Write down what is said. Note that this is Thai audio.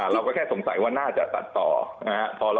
เราก็แค่สงสัยว่าน่าจะตัดต่อ